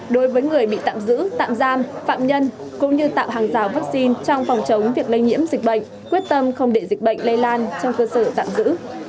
đối với người bị tạm giữ tạm giam phạm nhân cũng như tạo hàng rào vaccine trong phòng chống việc lây nhiễm dịch bệnh quyết tâm không để dịch bệnh lây lan trong cơ sở tạm giữ